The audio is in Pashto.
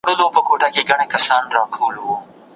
د قصاص حکم په قران کي راغلی دی.